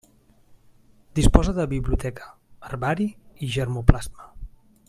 Disposa de biblioteca, herbari i germoplasma.